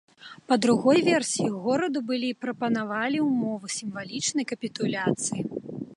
Па другой версіі, гораду былі прапанавалі ўмовы сімвалічнай капітуляцыі.